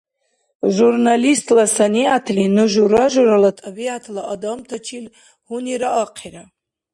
Журналистла санигӀятли ну жура-журала тӀабигӀятла адамтачил гьунираахъира.